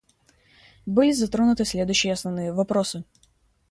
Были затронуты следующие основные вопросы.